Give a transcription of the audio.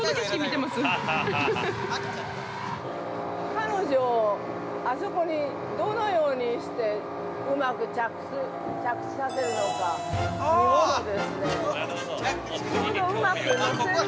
◆彼女、あそこに、どのようにして、うまく着地させるのか、見ものですね。